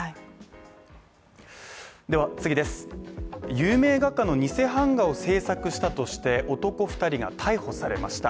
有名画家の偽版画を制作したとして男２人が逮捕されました。